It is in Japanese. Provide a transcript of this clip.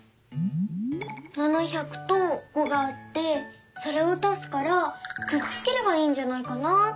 「７００」と「５」があってそれを足すからくっつければいいんじゃないかなって。